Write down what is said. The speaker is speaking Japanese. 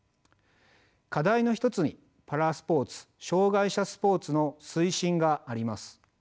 課題の一つにパラスポーツ障害者スポーツの推進があります。